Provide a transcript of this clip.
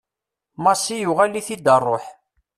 Massi yuɣal-it-id rruḥ.